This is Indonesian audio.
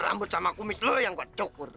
rambut sama kumis lo yang kau cukur